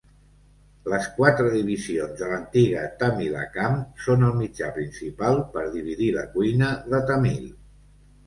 Les quatre divisions de l'antiga Tamilakam són el mitjà principal per dividir la cuina de Tamil.